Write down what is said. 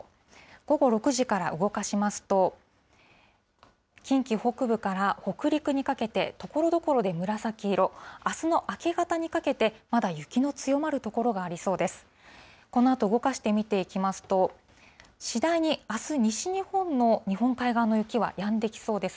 午後６時から動かしますと、近畿北部から北陸にかけて、ところどころで紫色、あすの明け方にかけて、まだ雪の強まる所がありそうです。